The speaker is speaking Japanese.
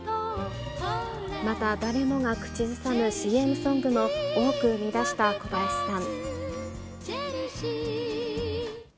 また誰もが口ずさむＣＭソングも多く生み出した小林さん。